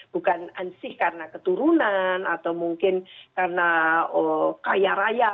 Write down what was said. bukan ansih karena keturunan atau mungkin karena kaya raya